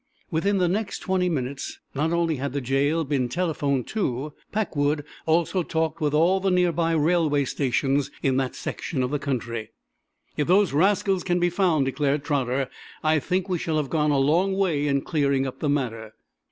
Within the next twenty minutes not only had the jail been telephoned to; Packwood also talked with all the nearby railway stations in that section of the country. "If those rascals can be found," declared Trotter, "I think we shall have gone a long way in clearing up the matter.